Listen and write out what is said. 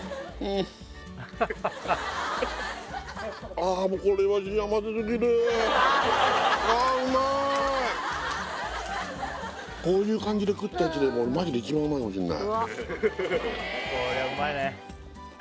あっもうこういう感じで食ったやつでマジで一番うまいかもしんない